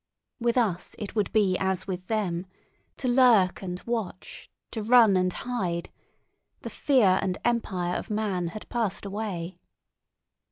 With us it would be as with them, to lurk and watch, to run and hide; the fear and empire of man had passed away.